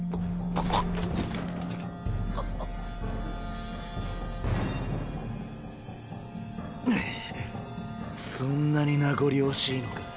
ぐはっ！へへっそんなに名残惜しいのか？